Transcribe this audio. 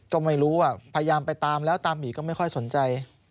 ก็ไม่รู้พยายามไปตามแล้วตามหมีก็ไม่ค่อยสนใจ